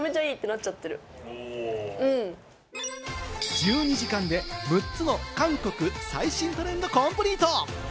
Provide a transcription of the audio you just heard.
１２時間で６つの韓国最新トレンド、コンプリート。